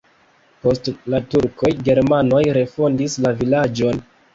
Post la turkoj germanoj refondis la vilaĝon.